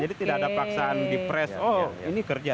tidak ada paksaan di press oh ini kerja